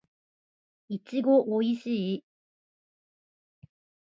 いちごおいしい